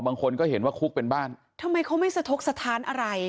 บางคนก็เห็นว่าคุกเป็นบ้านทำไมเขาไม่สะทกสถานอะไร